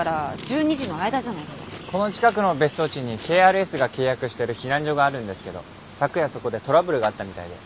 この近くの別荘地にＫＲＳが契約してる避難所があるんですけど昨夜そこでトラブルがあったみたいで。